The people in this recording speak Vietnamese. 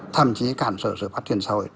thậm chí cản trở sự phát triển xã hội